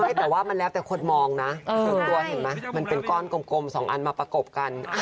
ใช่แต่ว่ามันแล้วแต่คนมองนะส่วนตัวเห็นไหมมันเป็นก้อนกลม๒อันมาประกบกัน